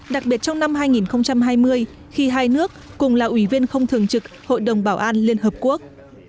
đặc biệt trong năm hai nghìn hai mươi khi hai nước cùng là ủy viên không thường trực hội đồng bảo an liên hợp quốc